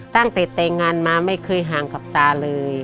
ตั้งแต่แต่งงานมาไม่เคยห่างกับตาเลย